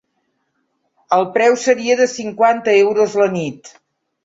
El preu seria de cinquanta euros la nit.